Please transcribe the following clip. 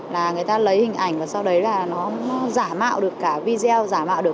là người ta lấy hình ảnh và sau đấy là nó giả mạo được cả video